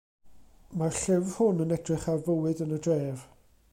Mae'r llyfr hwn yn edrych ar fywyd yn y dref.